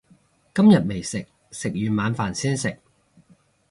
今日未食，食完晚飯先食